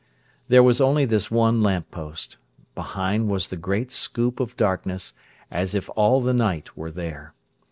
There was only this one lamp post. Behind was the great scoop of darkness, as if all the night were there.